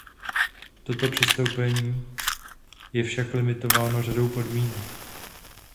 Toto přistoupení je však limitováno řadou podmínek.